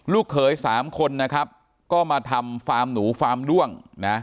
ลูกเคย๓คนนะครับก็มาทำฟาร์มหนูฟาร์มร่วงนะ